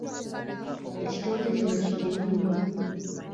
Ekitooke kino kigimu nnyo.